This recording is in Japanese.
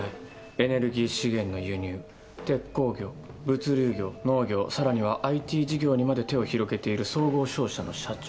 エネルギー資源の輸入鉄鋼業物流業農業更にはＩＴ事業にまで手を広げている総合商社の社長。